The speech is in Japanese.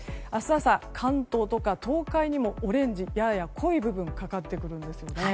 朝、関東とか東海にもオレンジのやや濃い部分がかかってくるんです。